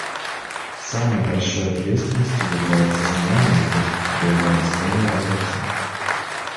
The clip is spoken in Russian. Самой большой ответственностью являются знания и доступ к более достойной работе.